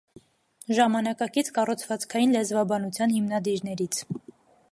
Ժամանակակից կառուցվածքային լեզվաբանության հիմնադիրներից։